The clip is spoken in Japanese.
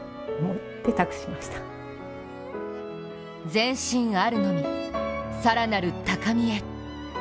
「前進あるのみ、さらなる高みへ！」